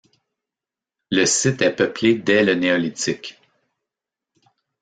Le site est peuplé dès le Néolithique.